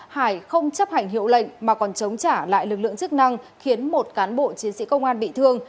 hải không chấp hành hiệu lệnh mà còn chống trả lại lực lượng chức năng khiến một cán bộ chiến sĩ công an bị thương